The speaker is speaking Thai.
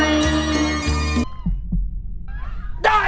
ยิงขนาดช้ำไหน